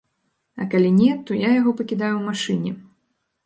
А калі не, то я яго пакідаю ў машыне.